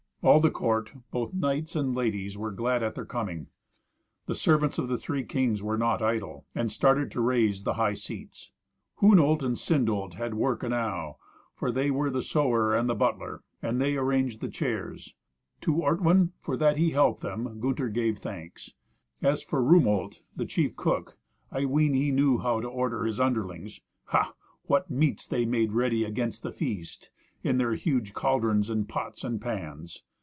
All the court, both knights and ladies, were glad at their coming. The servants of the three kings were not idle, and started to raise the high seats. Hunolt and Sindolt had work enow, for they were the sewer and the butler, and they arranged the chairs; to Ortwin, for that he helped them, Gunther gave thanks. As for Rumult, the chief cook, I ween he knew how to order his underlings. Ha! what meats they made ready against the feast, in their huge cauldrons and pots and pans.